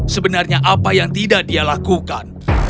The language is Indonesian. sebenarnya apa yang tidak dia lakukan